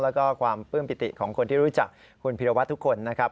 แล้วก็ความปลื้มปิติของคนที่รู้จักคุณพิรวัตรทุกคนนะครับ